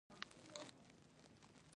سوالګر له سوال پرته بله لار نه لري